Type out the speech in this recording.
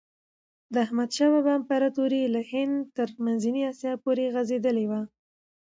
د احمد شاه بابا امپراتوري له هند تر منځنۍ آسیا پورې غځېدلي وه.